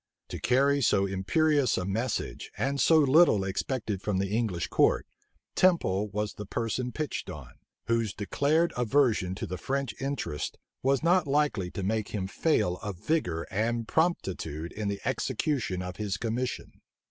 To carry so imperious a message, and so little expected from the English court, Temple was the person pitched on, whose declared aversion to the French interest was not likely to make him fail of vigor and promptitude in the execution of his commission.